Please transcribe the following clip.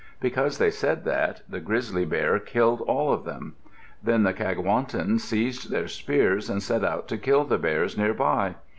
Because they said that, the grizzly bear killed all of them. Then the Kagwantan seized their spears and set out to kill the bears nearby.